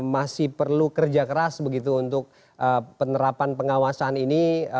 masih perlu kerja keras begitu untuk penerapan pengawasan ini